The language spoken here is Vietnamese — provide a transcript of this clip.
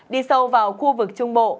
đi sâu vào khu vực trung bộ